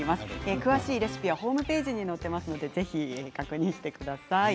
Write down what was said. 詳しいレシピはホームページに載っていますので確認してみてください。